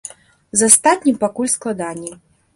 З астатнім пакуль складаней.